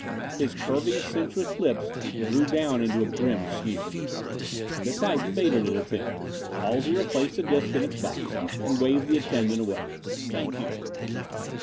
His curving sensuous lips drew down into a grim sneer.... The type faded at its end. Halsey replaced the disc in its box and waved the attendant away. "Thank you."